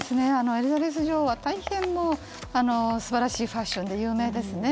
エリザベス女王は大変素晴らしいファッションで有名ですね。